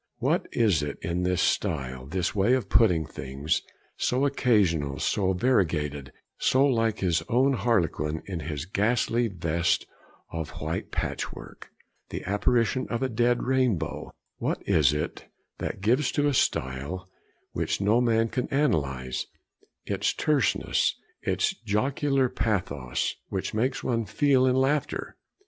What is it in this style, this way of putting things, so occasional, so variegated, so like his own harlequin in his 'ghastly vest of white patchwork,' 'the apparition of a dead rainbow'; what is it that gives to a style, which no man can analyse, its 'terseness, its jocular pathos, which makes one feel in laughter?'